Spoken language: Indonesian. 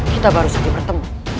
kita baru saja bertemu